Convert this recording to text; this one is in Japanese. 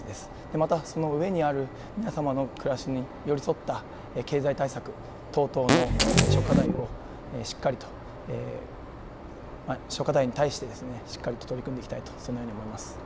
またその上にある皆様の暮らしに寄り添った経済対策等々の諸課題に対してしっかりと取り組んでいきたいと思います。